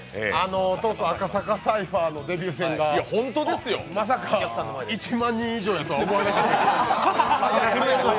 赤坂サイファーのデビュー戦がまさか１万人以上やとは思わなかった。